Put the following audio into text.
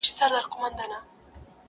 تفریحي پارکونه ماشومان خوشحالوي